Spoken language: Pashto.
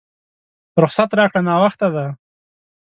رخصت راکړه ناوخته دی!